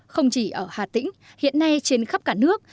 không chỉ ở hà tĩnh hiện nay trên khắp cả nước